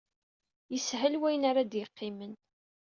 Yeshel wayen ara ad yeqqimen.